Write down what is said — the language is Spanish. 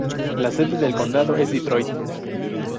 La sede del condado es Detroit.